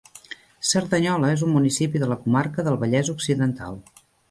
Cerdanyola és un municipi de la comarca del Vallès Occidental.